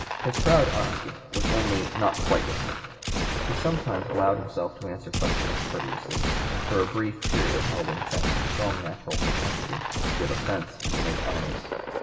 His proud honesty was only not quite (p. 166) repellent; he sometimes allowed himself to answer questions courteously, and for a brief period held in check his strong natural propensity to give offence and make enemies.